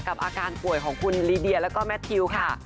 อาการป่วยของคุณลีเดียแล้วก็แมททิวค่ะ